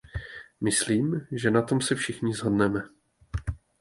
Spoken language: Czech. Myslím, že na tom se všichni shodneme.